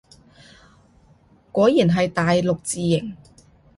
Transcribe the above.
果然係大陸字形